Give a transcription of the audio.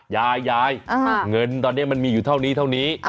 ยายยายเงินตอนนี้มันมีอยู่เท่านี้เท่านี้